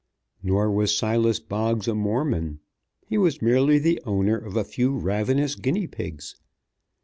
Nor was Silas Boggs a Mormon. He was merely the owner of a few ravenous guinea pigs.